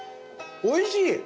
おいしい！